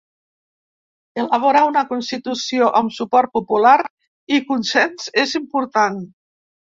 Elaborar una constitució amb suport popular i consens és important.